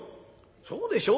そうでしょ？